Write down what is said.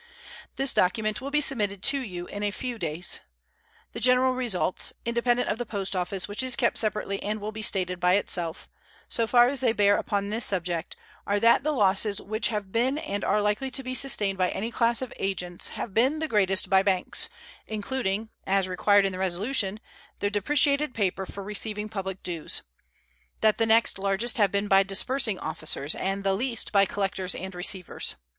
This document will be submitted to you in a few days. The general results (independent of the Post Office, which is kept separately and will be stated by itself), so far as they bear upon this subject, are that the losses which have been and are likely to be sustained by any class of agents have been the greatest by banks, including, as required in the resolution, their depreciated paper received for public dues; that the next largest have been by disbursing officers, and the least by collectors and receivers.